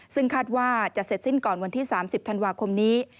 ซึ่งคาดว่าจะเสร็จสิ้นก่อนวันที่๓๐ธันวาคมนี้